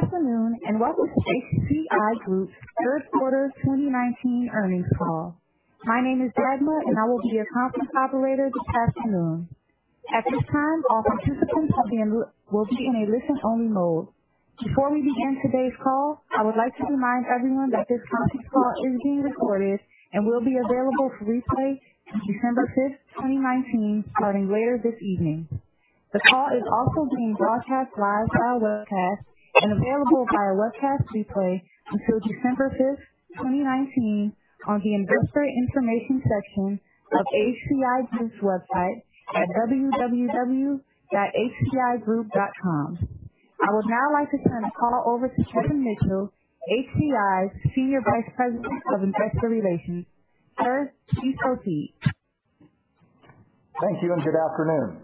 Good afternoon. Welcome to HCI Group's third quarter 2019 earnings call. My name is Thelma, I will be your conference operator this afternoon. At this time, all participants will be in a listen-only mode. Before we begin today's call, I would like to remind everyone that this conference call is being recorded and will be available for replay on December 5, 2019, starting later this evening. The call is also being broadcast live via webcast and available via webcast replay until December 5, 2019, on the Investor Information section of HCI Group's website at www.hcigroup.com. I would now like to turn the call over to Kevin Mitchell, HCI's Senior Vice President of Investor Relations. Sir, please proceed. Thank you. Good afternoon.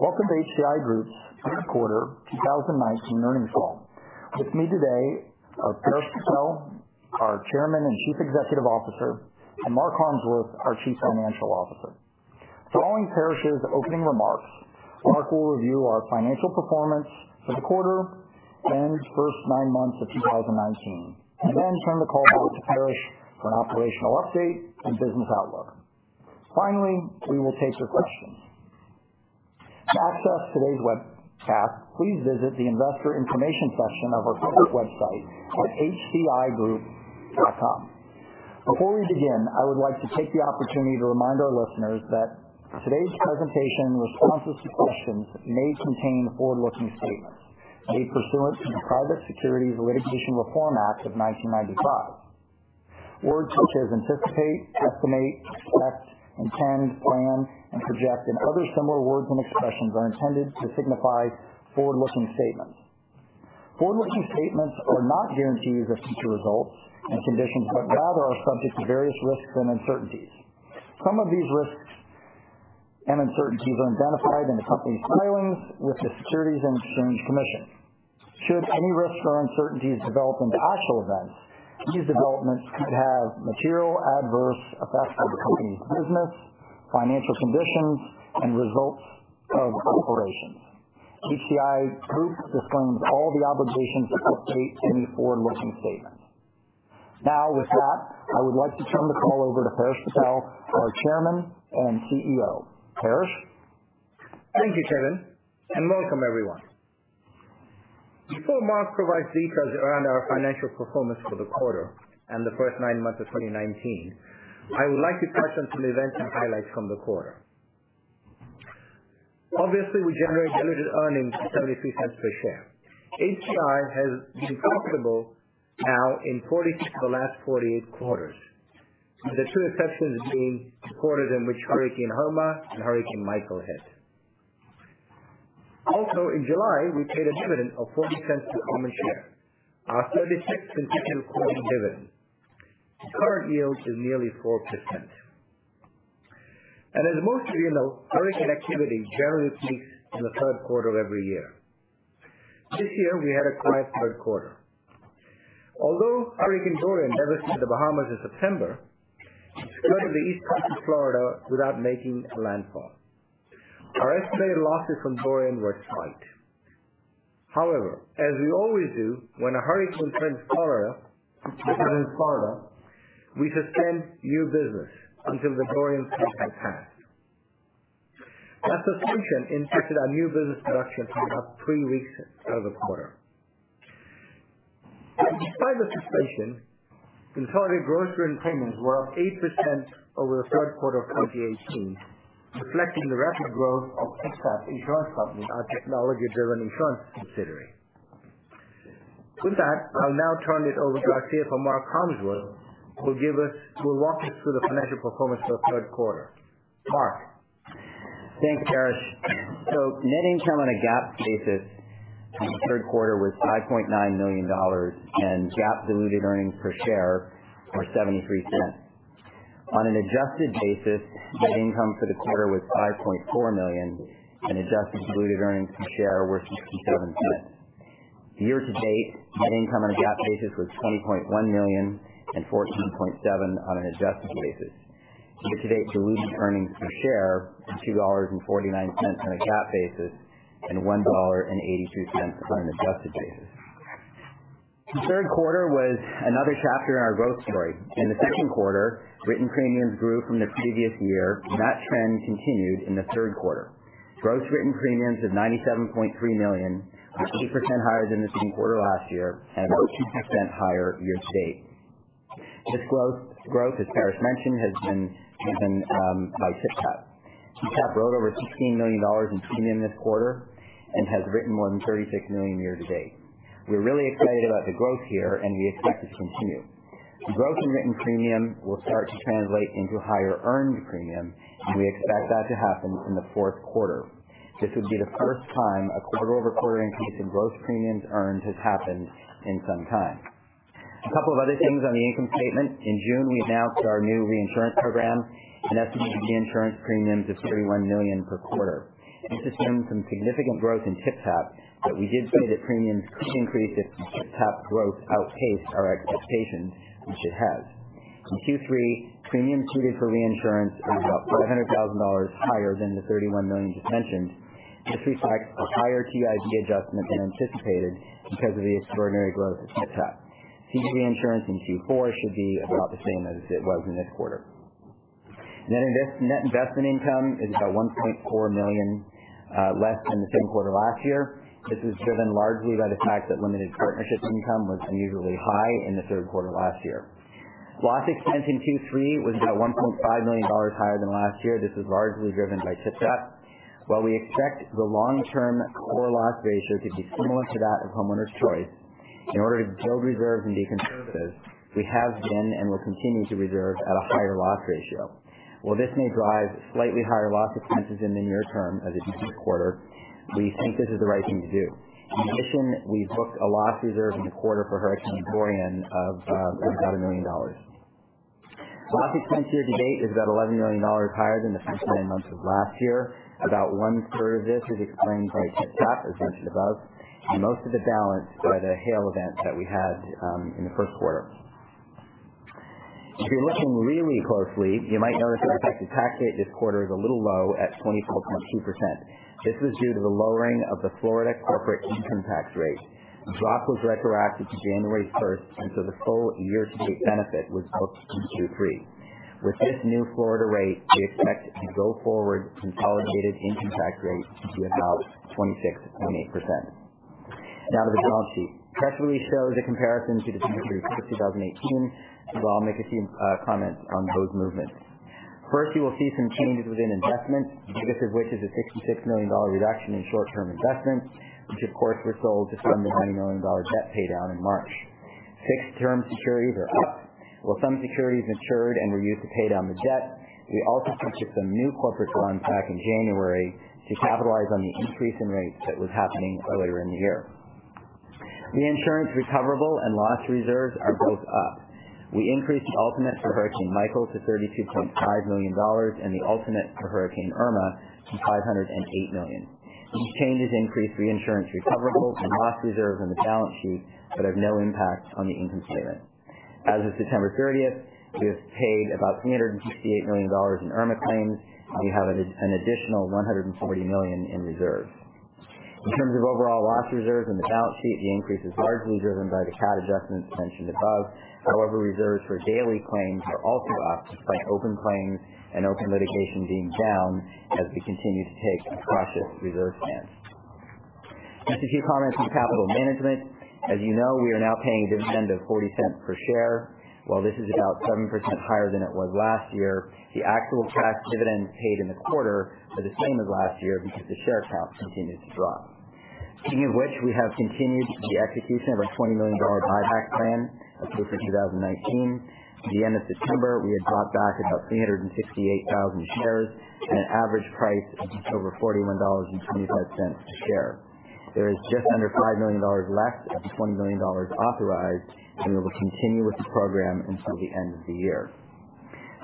Welcome to HCI Group's third quarter 2019 earnings call. With me today are Paresh Patel, our Chairman and Chief Executive Officer, Mark Harmsworth, our Chief Financial Officer. Following Paresh's opening remarks, Mark will review our financial performance for the quarter and first nine months of 2019, then turn the call back to Paresh for an operational update and business outlook. Finally, we will take your questions. To access today's webcast, please visit the Investor Information section of our corporate website at hcigroup.com. Before we begin, I would like to take the opportunity to remind our listeners that today's presentation and responses to questions may contain forward-looking statements made pursuant to the Private Securities Litigation Reform Act of 1995. Words such as anticipate, estimate, expect, intend, plan, and project, and other similar words and expressions are intended to signify forward-looking statements. Forward-looking statements are not guarantees of future results and conditions, rather are subject to various risks and uncertainties. Some of these risks and uncertainties are identified in the company's filings with the Securities and Exchange Commission. Should any risks or uncertainties develop into actual events, these developments could have material adverse effects on the company's business, financial conditions, and results of operations. HCI Group disclaims all the obligations to update any forward-looking statement. With that, I would like to turn the call over to Paresh Patel, our Chairman and CEO. Paresh. Thank you, Kevin. Welcome everyone. Before Mark provides details around our financial performance for the quarter and the first nine months of 2019, I would like to touch on some events and highlights from the quarter. Obviously, we generate diluted earnings of $0.73 per share. HCI has been profitable now in the last 48 quarters, with the two exceptions being quarters in which Hurricane Irma and Hurricane Michael hit. In July, we paid a dividend of $0.40 per common share. Our 36th consecutive quarterly dividend. The current yield is nearly 4%. As most of you know, hurricane activity generally peaks in the third quarter of every year. This year, we had a quiet third quarter. Although Hurricane Dorian devastated the Bahamas in September, it skirted the east coast of Florida without making landfall. Our estimated losses from Dorian were slight. However, as we always do when a hurricane threatens Florida, we suspend new business until the Dorian threat had passed. That suspension impacted our new business production for about three weeks of the quarter. Despite the suspension, consolidated gross written premiums were up 8% over the third quarter of 2018, reflecting the rapid growth of TypTap Insurance Company, our technology-driven insurance subsidiary. With that, I'll now turn it over to our CFO, Mark Harmsworth, who will walk us through the financial performance for the third quarter. Mark. Thanks, Paresh. Net income on a GAAP basis for the third quarter was $5.9 million, and GAAP diluted earnings per share were $0.73. On an adjusted basis, net income for the quarter was $5.4 million, and adjusted diluted earnings per share were $0.57. Year-to-date, net income on a GAAP basis was $20.1 million and $14.7 million on an adjusted basis. Year-to-date diluted earnings per share were $2.49 on a GAAP basis and $1.82 on an adjusted basis. The third quarter was another chapter in our growth story. In the second quarter, written premiums grew from the previous year, and that trend continued in the third quarter. Gross written premiums of $97.3 million are 2% higher than the same quarter last year and are 2% higher year-to-date. This growth, as Paresh mentioned, has been driven by TypTap. TypTap wrote over $16 million in premium this quarter and has written more than $36 million year-to-date. We're really excited about the growth here, and we expect it to continue. The growth in written premium will start to translate into higher earned premium, and we expect that to happen in the fourth quarter. This would be the first time a quarter-over-quarter increase in gross premiums earned has happened in some time. A couple of other things on the income statement. In June, we announced our new reinsurance program, and that's leading to reinsurance premiums of $31 million per quarter. This is showing some significant growth in TypTap, but we did say that premiums could increase if TypTap growth outpaced our expectations, which it has. In Q3, premiums ceded for reinsurance are about $500,000 higher than the $31 million just mentioned. This reflects a higher TIV adjustment than anticipated because of the extraordinary growth at TypTap. Reinsurance in Q4 should be about the same as it was in this quarter. Net investment income is about $1.4 million less than the same quarter last year. This is driven largely by the fact that limited partnership income was unusually high in the third quarter of last year. Loss expense in Q3 was about $1.5 million higher than last year. This was largely driven by TypTap. While we expect the long-term core loss ratio to be similar to that of Homeowners Choice, in order to build reserves and be conservative, we have been and will continue to reserve at a higher loss ratio. While this may drive slightly higher loss expenses in the near term as in this quarter, we think this is the right thing to do. We've booked a loss reserve in the quarter for Hurricane Dorian of about $1 million. Loss expense year-to-date is about $11 million higher than the first nine months of last year. About one-third of this is explained by TypTap, as mentioned above, and most of the balance by the hail events that we had in the first quarter. If you're looking really closely, you might notice that our effective tax rate this quarter is a little low at 24.2%. This is due to the lowering of the Florida corporate income tax rate. The drop was retroactive to January 1st, the full year-to-date benefit was booked in Q3. With this new Florida rate, we expect a go-forward consolidated income tax rate to be about 26.8%. To the balance sheet. The press release shows a comparison to December 31st, 2018, I'll make a few comments on those movements. You will see some changes within investments, the biggest of which is a $66 million reduction in short-term investments, which of course, was sold to fund the $90 million debt paydown in March. Fixed term securities are up. Some securities matured and were used to pay down the debt, we also purchased some new corporate bonds back in January to capitalize on the increase in rates that was happening earlier in the year. Reinsurance recoverable and loss reserves are both up. We increased the ultimate for Hurricane Michael to $32.5 million and the ultimate for Hurricane Irma to $508 million. These changes increase reinsurance recoverables and loss reserves on the balance sheet have no impact on the income statement. As of September 30th, we have paid about $368 million in Irma claims. We have an additional $140 million in reserves. In terms of overall loss reserves on the balance sheet, the increase is largely driven by the CAT adjustments mentioned above. Reserves for daily reserves are also up despite open clips and open litigation being down as we continue to take a cautious reserve stance. A few comments on capital management. As you know, we are now paying a dividend of $0.40 per share. This is about 7% higher than it was last year, the actual cash dividends paid in the quarter are the same as last year because the share count continued to drop. Speaking of which, we have continued the execution of our $20 million buyback plan approved for 2019. At the end of September, we had bought back about 368,000 shares at an average price of over $41.25 a share. There is just under $5 million left of $20 million authorized, we will continue with the program until the end of the year.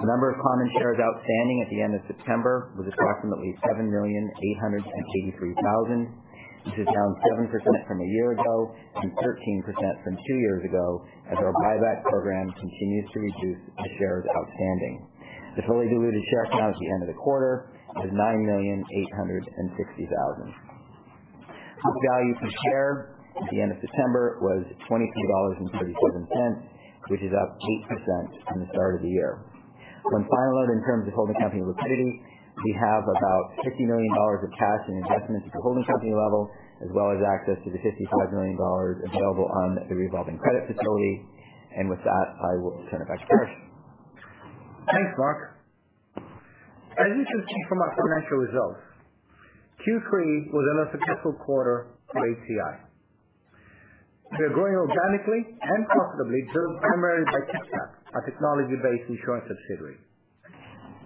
The number of common shares outstanding at the end of September was approximately 7,883,000. This is down 7% from a year ago and 13% from two years ago as our buyback program continues to reduce the shares outstanding. The fully diluted share count at the end of the quarter was 9,860,000. Book value per share at the end of September was $22.37, which is up 8% from the start of the year. One final item in terms of holding company liquidity, we have about $50 million of cash and investments at the holding company level as well as access to the $55 million available on the revolving credit facility. With that, I will turn it back to Paresh. Thanks, Mark. As you can see from our financial results, Q3 was another successful quarter for HCI. We are growing organically and profitably, driven primarily by TypTap, our technology-based insurance subsidiary.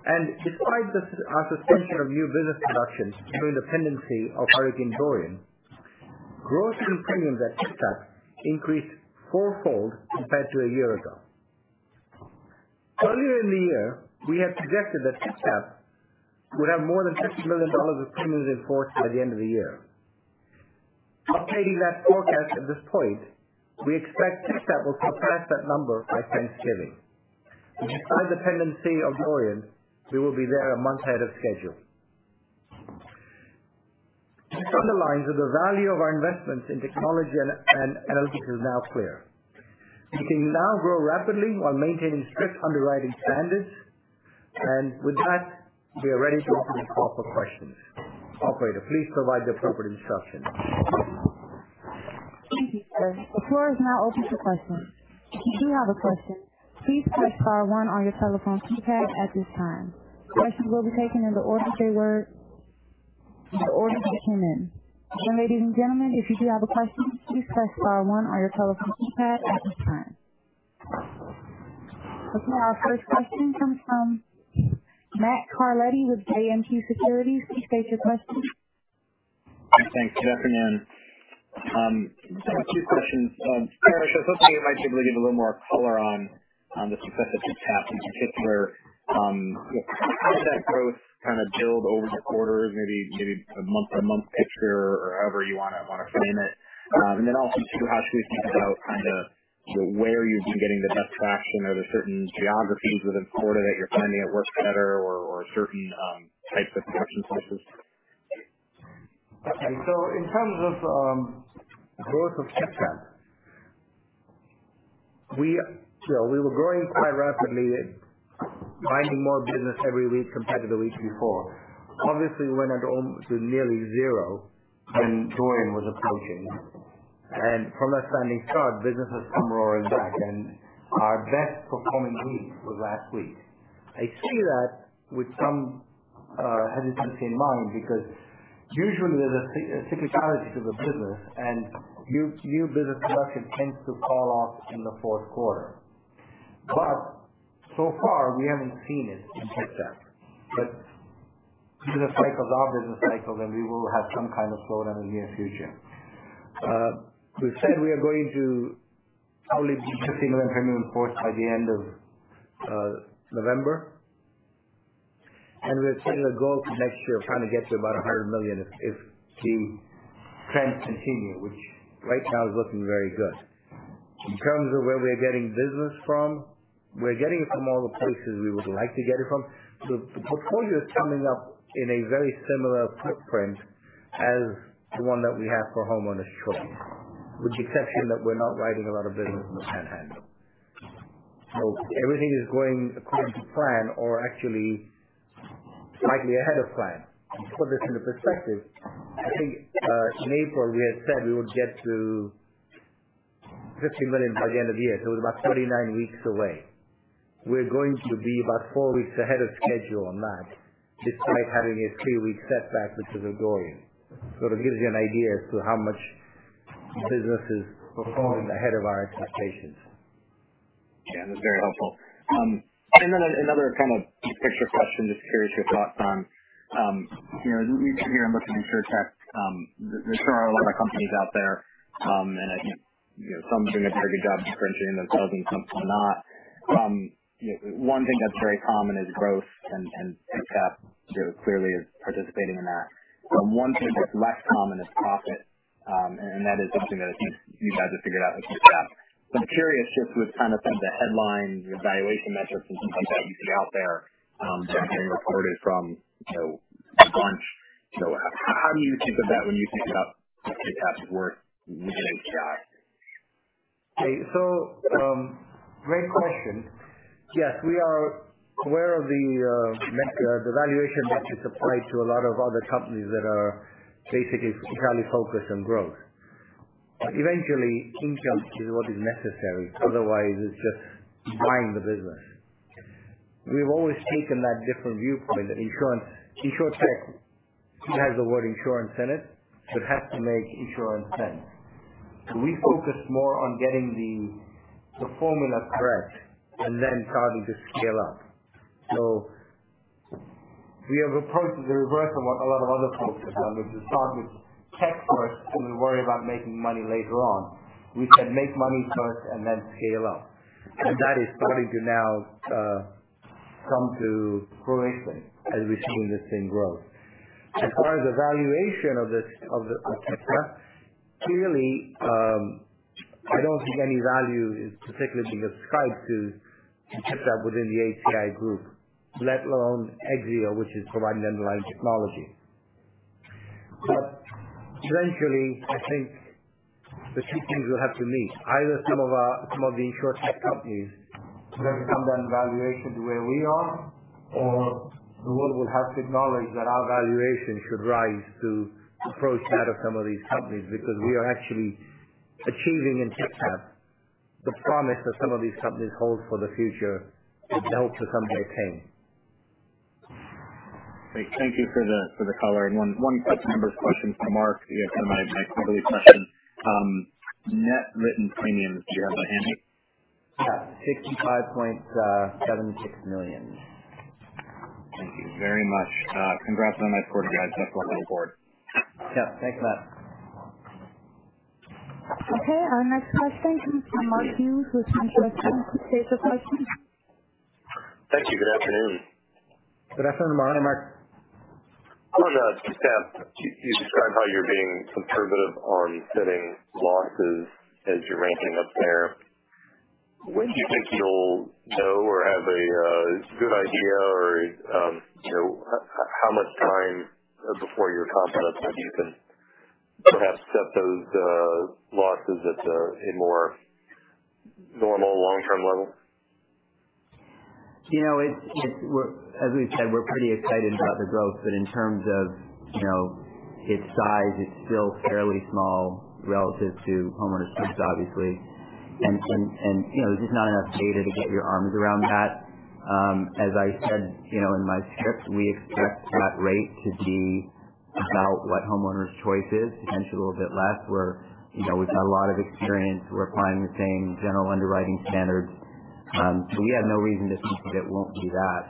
Despite the suspension of new business production due to the pendency of Hurricane Dorian, gross new premium at TypTap increased fourfold compared to a year ago. Earlier in the year, we had projected that TypTap would have more than $50 million of premiums in force by the end of the year. Updating that forecast at this point, we expect TypTap will surpass that number by Thanksgiving. Despite the pendency of Dorian, we will be there a month ahead of schedule. This underlines that the value of our investments in technology and analytics is now clear. We can now grow rapidly while maintaining strict underwriting standards. With that, we are ready to open the call for questions. Operator, please provide the proper instructions. Thank you, sir. The floor is now open for questions. If you do have a question, please press star one on your telephone keypad at this time. Questions will be taken in the order they came in. Ladies and gentlemen, if you do have a question, please press star one on your telephone keypad at this time. Okay, our first question comes from Matthew Carletti with JMP Securities. Please state your question. Thanks. Good afternoon. Two questions. Paresh, I was hoping you might be able to give a little more color on the success of TypTap, in particular, how does that growth kind of build over the quarter? Maybe a month-to-month picture or however you want to frame it. How should we think about where you've been getting the best traction? Are there certain geographies within Florida that you're finding it works better or certain types of production sources? Okay. In terms of growth of TypTap, we were growing quite rapidly, finding more business every week compared to the week before. Obviously, we went to nearly zero when Dorian was approaching. From that standing start, business has come roaring back, and our best performing week was last week. I say that with some hesitancy in mind because usually there's a cyclicality to the business, and new business production tends to fall off in the fourth quarter. So far, we haven't seen it in TypTap. Business cycles are business cycles, and we will have some kind of slowdown in the near future. We've said we are going to probably be $50 million in force by the end of November. We've set it a goal for next year of trying to get to about $100 million if the trends continue, which right now is looking very good. In terms of where we are getting business from, we're getting it from all the places we would like to get it from. The portfolio is coming up in a very similar footprint as the one that we have for Homeowners Choice, with the exception that we're not writing a lot of business in the Panhandle. Everything is going according to plan or actually slightly ahead of plan. To put this into perspective, I think, in April, we had said we would get to $50 million by the end of the year, so it was about 39 weeks away. We're going to be about four weeks ahead of schedule on that, despite having a three-week setback due to the Dorian. That gives you an idea as to how much business is performing ahead of our expectations. Curious your thoughts on. We've been here looking at Insurtech. There sure are a lot of companies out there, and some doing a pretty good job differentiating themselves and some not. One thing that's very common is growth, and TypTap clearly is participating in that. One thing that's less common is profit, and that is something that I think you guys have figured out with TypTap. Curious, just with some of the headlines, the valuation metrics, and some stuff that you see out there that are getting reported from a bunch. How do you think of that when you think about TypTap's worth within HCI? Great question. Yes, we are aware of the valuation metrics applied to a lot of other companies that are basically entirely focused on growth. Eventually, income is what is necessary. Otherwise, it's just buying the business. We've always taken that different viewpoint that Insurtech, it has the word insurance in it, so it has to make insurance sense. We focused more on getting the formula correct and then starting to scale up. We have approached it the reverse of what a lot of other folks have done, which is start with tech first, then we worry about making money later on. We said make money first and then scale up. That is starting to now come to fruition as we're seeing this thing grow. As far as the valuation of TypTap, clearly, I don't think any value is particularly being ascribed to TypTap within the HCI Group, let alone Exzeo, which is providing the underlying technology. Eventually, I think the two things will have to meet. Either some of the Insurtech companies will have to come down in valuation to where we are, or the world will have to acknowledge that our valuation should rise to approach that of some of these companies because we are actually achieving in TypTap the promise that some of these companies hold for the future, but they hope to someday attain. Great. Thank you for the coloring. One quick numbers question for Mark to get my quarterly question. Net written premiums, do you have that handy? Yeah, $65.76 million. Thank you very much. Congrats on a nice quarter, guys. That's lovely to report. Yeah, thanks a lot. Our next question from Mark Hughes with SunTrust. State your question. Thank you. Good afternoon. Good afternoon, Mark. I wanted to ask TypTap. You described how you're being conservative on setting losses as you're ramping up there. When do you think you'll know or have a good idea or how much time before you're confident that you can perhaps set those losses at a more normal long-term level? As we've said, we're pretty excited about the growth. In terms of its size, it's still fairly small relative to Homeowners Choice, obviously. There's just not enough data to get your arms around that. As I said in my script, we expect that rate to be about what Homeowners Choice is, potentially a little bit less, where we've got a lot of experience. We're applying the same general underwriting standards. We have no reason to think that it won't do that.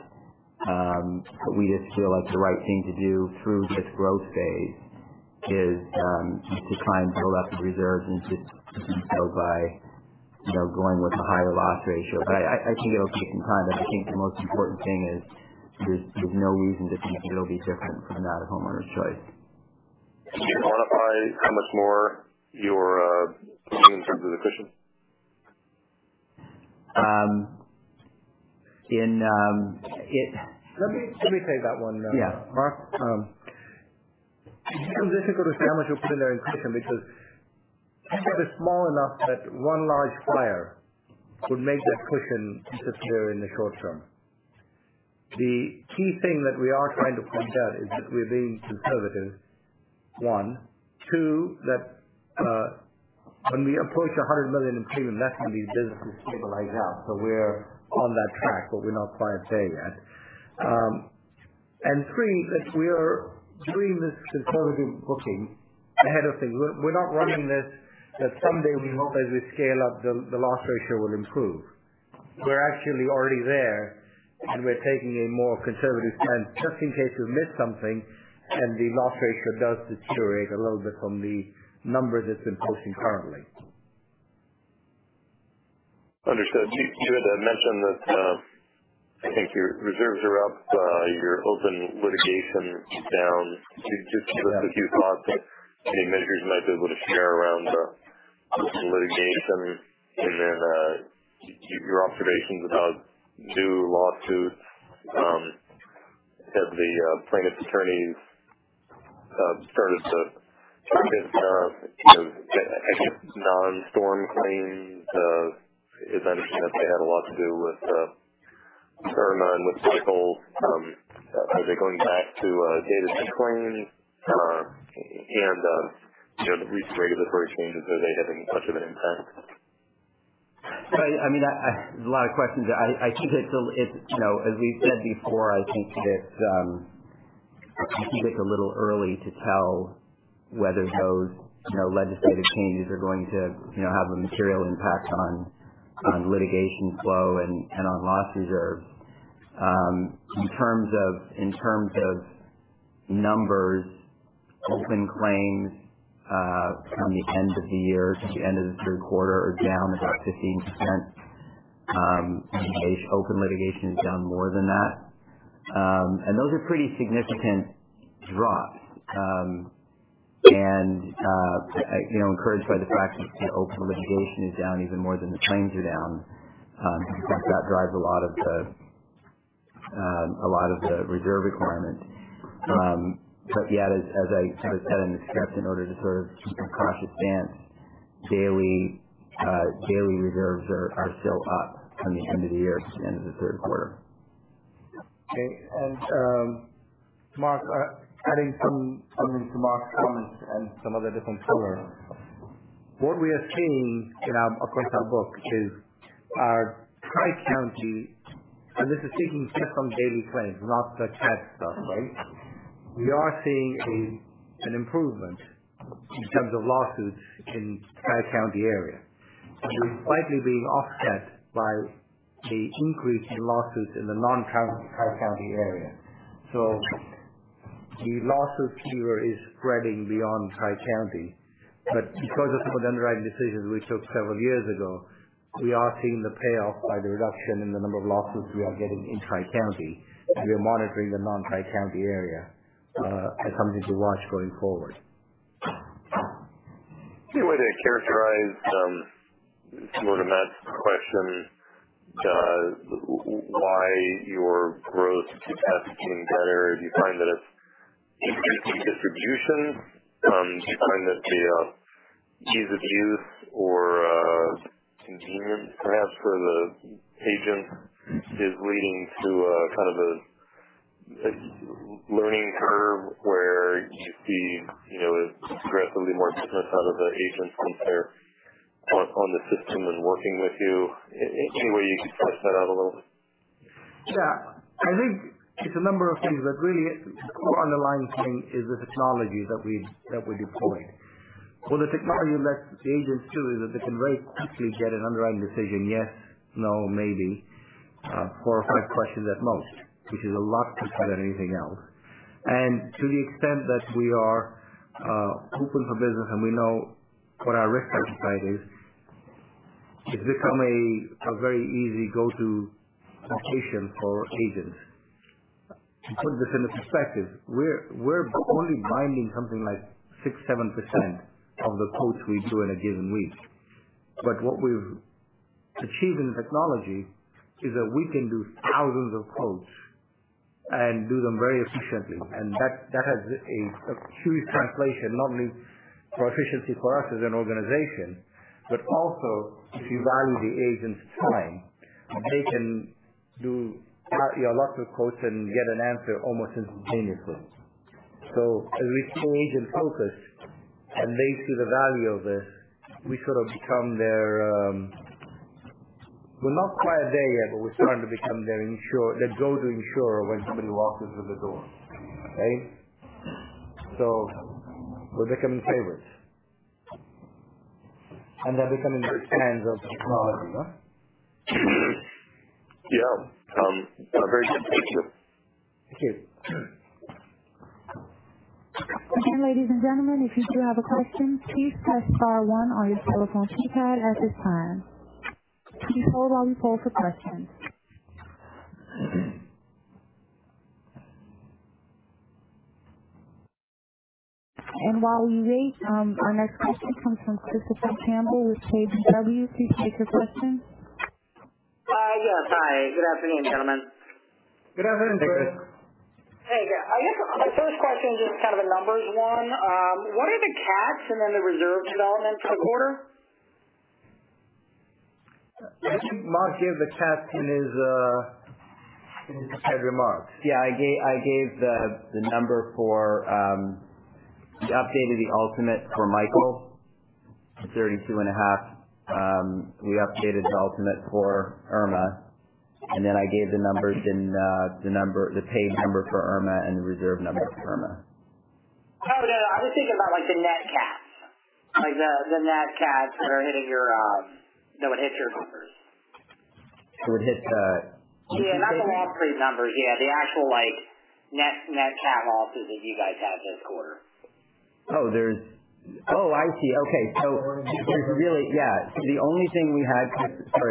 We just feel like the right thing to do through this growth phase is to try and build up reserves and do so by going with a higher loss ratio. I see where you're getting at. I think the most important thing is there's no reason to think it'll be different from that of Homeowners Choice. Can you quantify how much more you're putting in terms of the cushion? In Let me take that one. Yeah. Mark. It's difficult to say how much we put in there in cushion because it's small enough that one large fire would make that cushion disappear in the short term. The key thing that we are trying to point out is that we're being conservative, one. Two, that when we approach $100 million in premium, that's when these businesses stabilize out. We're on that track, but we're not quite there yet. Three, that we are doing this conservative booking ahead of things. We're not running this, that someday we hope as we scale up, the loss ratio will improve. We're actually already there, and we're taking a more conservative plan just in case we miss something and the loss ratio does deteriorate a little bit from the number that's imposing currently. Understood. You had mentioned that, I think your reserves are up, your open litigation is down. Could you just give us a few thoughts that maybe management might be able to share around the open litigation and then your observations about new lawsuits, have the plaintiff's attorneys started to target non-storm claims? As I understand it, they had a lot to do with turn on with cycles. Are they going back to data claims? The recent regulatory changes, are they having much of an impact? A lot of questions. As we've said before, I think it's a little early to tell whether those legislative changes are going to have a material impact on litigation flow and on loss reserves. In terms of numbers, open claims from the end of the year to the end of the third quarter are down about 15%. Open litigation is down more than that. Those are pretty significant drops. Encouraged by the fact that open litigation is down even more than the claims are down. In fact, that drives a lot of the reserve requirements. Yeah, as I kind of said in the script, in order to sort of keep a cautious stance, daily reserves are still up from the end of the year to the end of the third quarter. Okay. Mark, adding something to Mark's comments and some other different color. What we are seeing across our books is our Tri-County, this is speaking just on CAT-free claims, not the CAT stuff, right? We are seeing an improvement in terms of lawsuits in Tri-County area, which is slightly being offset by the increase in lawsuits in the non-Tri-County area. The lawsuit cure is spreading beyond Tri-County. Because of some of the underwriting decisions we took several years ago, we are seeing the payoff by the reduction in the number of lawsuits we are getting in Tri-County. We are monitoring the non-Tri-County area as something to watch going forward. Any way to characterize, similar to Matt's question, why your growth keeps on getting better? Do you find that it's distribution? Do you find that the ease of use or convenience perhaps for the agents is leading to a kind of a learning curve where you see progressively more business out of the agents once they're on the system and working with you? Any way you could flesh that out a little bit? Yeah. I think it's a number of things, but really the core underlying thing is the technology that we deployed. What the technology lets the agents do is that they can very quickly get an underwriting decision, yes, no, maybe, four or five questions at most, which is a lot quicker than anything else. To the extent that we are open for business and we know what our risk appetite is, it's become a very easy go-to location for agents. To put this into perspective, we're only binding something like six, seven% of the quotes we do in a given week. What we've achieved in technology is that we can do thousands of quotes and do them very efficiently. That has a huge translation, not only for efficiency for us as an organization, but also if you value the agent's time, they can do lots of quotes and get an answer almost instantaneously. As we stay agent-focused and they see the value of this, we sort of become their. We're not quite there yet, but we're starting to become their go-to insurer when somebody walks into the door. Okay? We're becoming favorites. They're becoming fans of the quality, huh? Yeah. A very good picture. Thank you. Again, ladies and gentlemen, if you do have a question, please press star one on your telephone keypad at this time. Please hold while we pull for questions. While we wait, our next question comes from Christopher Campbell with KBW. Please state your question. Yes. Hi, good afternoon, gentlemen. Good afternoon, Chris. Hey, I guess my first question is just a numbers one. What are the CATs and then the reserve development for the quarter? I think Mark gave the CAT in his prepared remarks. Yeah, I gave the number for, we updated the ultimate for Michael to thirty-two and a half. We updated the ultimate for Irma, and then I gave the paid number for Irma and the reserve number for Irma. No, but I was thinking about the net CATs. Like the net CATs that would hit your numbers. That would hit the- not the loss trade numbers. Yeah. The actual net CAT losses that you guys had this quarter. Oh, I see. Okay. Yeah. Sorry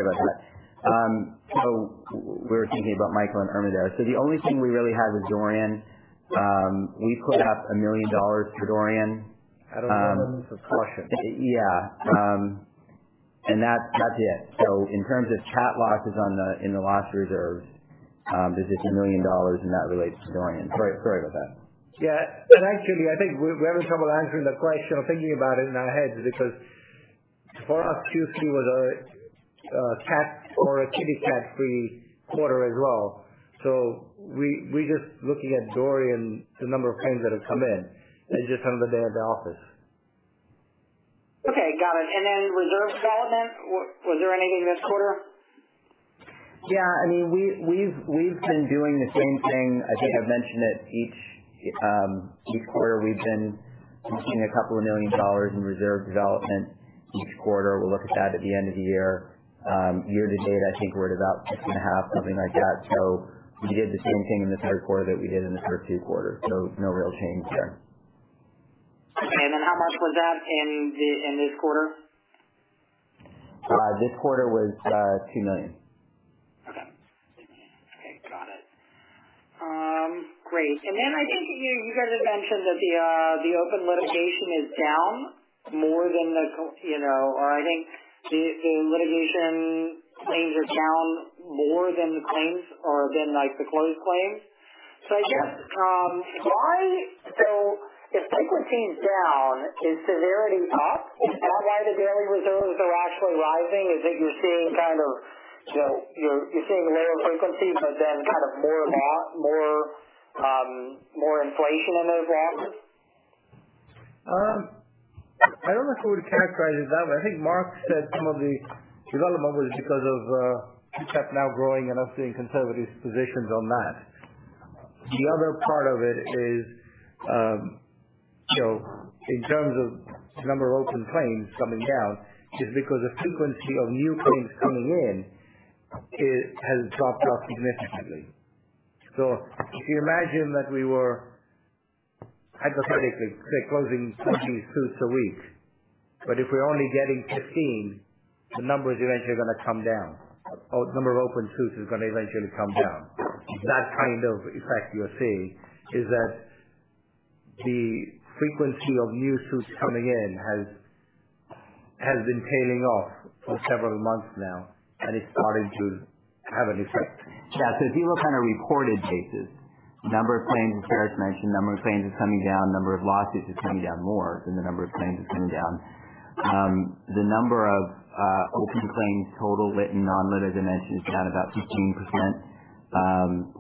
about that. We were thinking about Hurricane Michael and Hurricane Irma there. The only thing we really have is Hurricane Dorian. We put up $1 million for Hurricane Dorian. That was for caution. Yeah. That's it. In terms of CAT losses in the loss reserve, there's just $1 million, and that relates to Hurricane Dorian. Sorry about that. Yeah. Actually, I think we're having trouble answering the question or thinking about it in our heads because for us, Q3 was a CAT or a kitty cat-free quarter as well. We're just looking at Dorian, the number of claims that have come in, and just another day at the office. Okay. Got it. Reserve development, was there anything this quarter? Yeah, we've been doing the same thing. I think I've mentioned it. Each quarter, we've been investing a couple of million dollars in reserve development. Each quarter, we'll look at that at the end of the year. Year to date, I think we're at about $6.5 million, something like that. We did the same thing in the third quarter that we did in the first two quarters. No real change there. Okay. How much was that in this quarter? This quarter was $2 million. Okay. $2 million. Okay. Got it. Great. I think you guys had mentioned that the open litigation is down more than the or I think the litigation claims are down more than the claims or than the closed claims. Yes. I guess, if frequency is down, is severity up? Is that why the daily reserves are actually rising, is that you're seeing a narrow frequency, but then more inflation in those losses? I don't know if I would characterize it that way. I think Mark said some of the development was because of CAT now growing and us being conservative positions on that. The other part of it is, in terms of number of open claims coming down is because the frequency of new claims coming in has dropped off significantly. If you imagine that we were hypothetically, say, closing 20 suits a week, but if we're only getting 15, the numbers eventually are going to come down. Number of open suits is going to eventually come down. That kind of effect you're seeing is that the frequency of new suits coming in has been tailing off for several months now, and it's starting to have an effect. If you look on a reported basis, number of claims, as Paresh mentioned, number of claims is coming down, number of lawsuits is coming down more than the number of claims is coming down. The number of open claims, total lit and non-lit, as I mentioned, is down about 15%.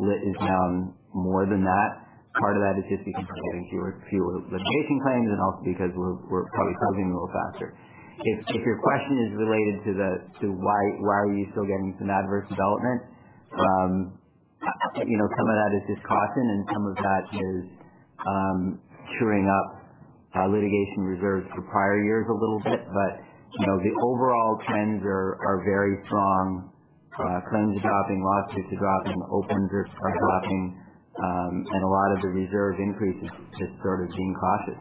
Lit is down more than that. Part of that is just because we're getting fewer litigation claims and also because we're probably closing a little faster. If your question is related to why are you still getting some adverse development, some of that is just caution and some of that is chewing up litigation reserves for prior years a little bit. The overall trends are very strong. Claims are dropping, lawsuits are dropping, open clips are dropping. A lot of the reserve increases have sort of been cautious.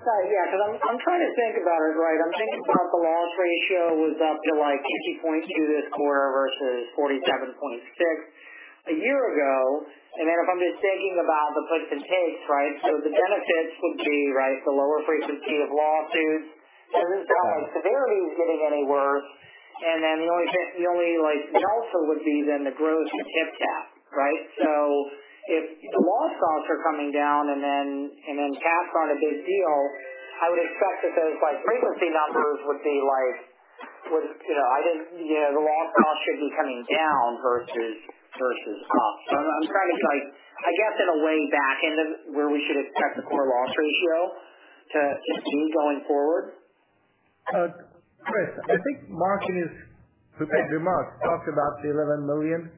Sorry, yeah. I'm trying to think about it right. I'm thinking about the loss ratio was up to 50.2 this quarter versus 47.6 a year ago. If I'm just thinking about the puts and takes, right? The benefits would be the lower frequency of lawsuits. Severity is getting any worse, and then the only like delta would be then the growth in TypTap, right? If the loss costs are coming down and then CATs aren't a big deal, I would expect that those frequency numbers would be like, the loss costs should be coming down versus up. I'm trying to, I guess, in a way back into where we should expect the core loss ratio to be going forward. Chris, I think Mark in his prepared remarks talked about the $11 million.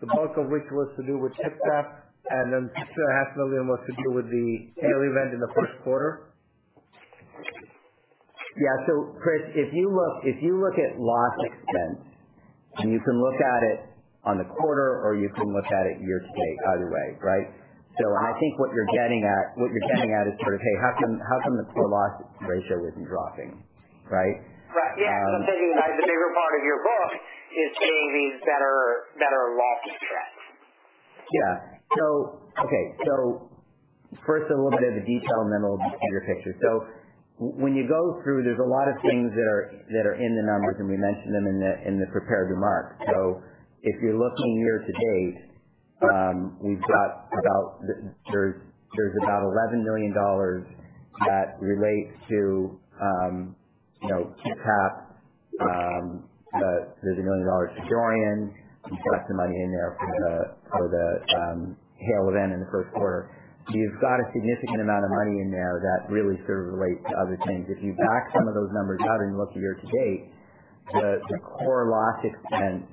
The bulk of which was to do with TypTap, and then $6.5 million was to do with the hail event in the first quarter. Yeah. Chris, if you look at loss expense, and you can look at it on the quarter, or you can look at it year to date, either way. Right? I think what you're getting at is sort of, hey, how come the core loss ratio isn't dropping? Right? Right. Yeah. I'm thinking, like, the bigger part of your book is paying these better [loss checks. Yeah. First a little bit of the detail and then a little bit bigger picture. When you go through, there's a lot of things that are in the numbers, and we mention them in the prepared remarks. If you're looking year-to-date, there's about $11 million that relates to TypTap. There's $1 million for Dorian. You've got some money in there for the hail event in the first quarter. You've got a significant amount of money in there that really sort of relates to other things. If you back some of those numbers out and look at year-to-date, the core loss expense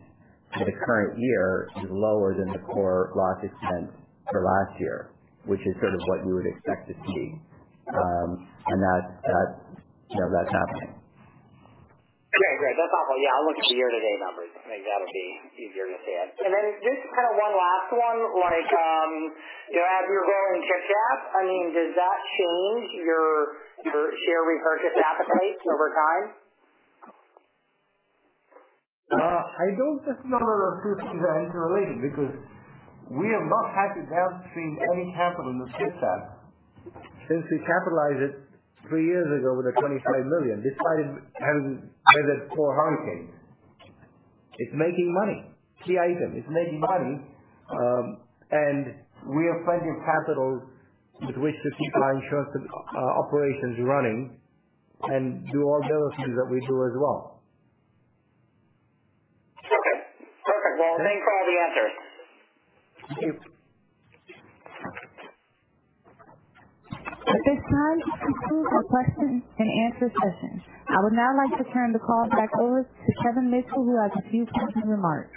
for the current year is lower than the core loss expense for last year, which is sort of what you would expect to see. That's happening. Great. That's all. Yeah, I'll look at the year-to-date numbers. I think that'll be easier to see it. Then just kind of one last one, as you're growing TypTap, does that change your share repurchase appetite over time? I don't think those are two things that are interrelated because we have not had to tap any capital in TypTap since we capitalized it three years ago with the $25 million. Despite having weathered four hurricanes. It's making money. Key item. It's making money. We have plenty of capital with which to keep our insurance operations running and do all the other things that we do as well. Okay, perfect. Well, thanks for all the answers. Thank you. At this time, we conclude our question and answer session. I would now like to turn the call back over to Kevin Mitchell, who has a few closing remarks.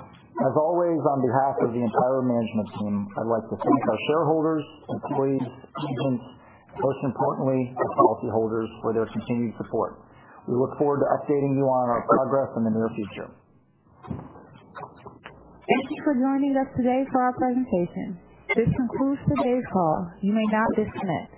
As always, on behalf of the entire management team, I'd like to thank our shareholders, employees, agents, and most importantly, our policyholders for their continued support. We look forward to updating you on our progress in the near future. Thank you for joining us today for our presentation. This concludes today's call. You may now disconnect.